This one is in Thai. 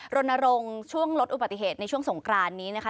รณรงค์ช่วงลดอุบัติเหตุในช่วงสงกรานนี้นะคะ